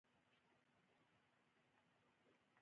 کله ناکله لوړ غږونه ځوروي.